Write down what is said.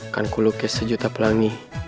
kan ku lukis sejuta pelangi